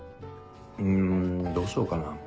うんどうしようかな？